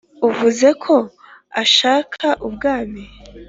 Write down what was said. uvuze ko ashaka ubwami,